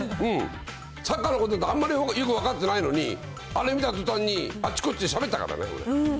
サッカーのことあんまりよく分かってないのに、あれ見たとたんに、あっちこっちでしゃべったからね、俺。